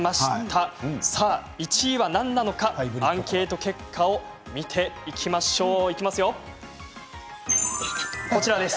１位が何なのかアンケート結果を見ていきましょう。